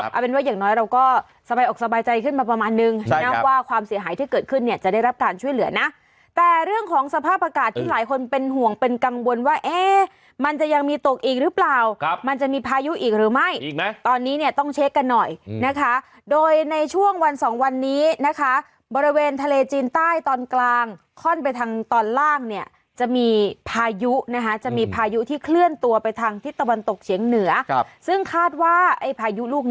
เอาเป็นว่าอย่างน้อยเราก็สบายออกสบายใจขึ้นมาประมาณนึงความเสียหายที่เกิดขึ้นเนี่ยจะได้รับการช่วยเหลือนะแต่เรื่องของสภาพอากาศที่หลายคนเป็นห่วงเป็นกังวลว่าเอ๊ะมันจะยังมีตกอีกหรือเปล่ามันจะมีพายุอีกหรือไม่ตอนนี้เนี่ยต้องเช็คกันหน่อยนะคะโดยในช่วงวันสองวันนี้นะคะบริเวณทะเลจีนใต้ตอนกล